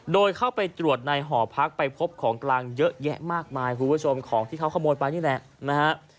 โดยเข้าไปตรวจในหอพักไปพบของกลางเยอะแยะมากมายคุณผู้ชมของที่เขาขโมยไปนี่แหละนะฮะ